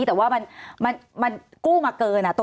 สวัสดีครับทุกคน